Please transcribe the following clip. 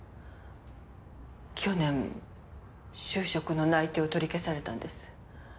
去年就職の内定を取り消されたんです。